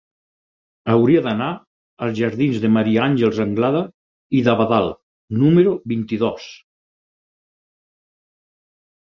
Hauria d'anar als jardins de Maria Àngels Anglada i d'Abadal número vint-i-dos.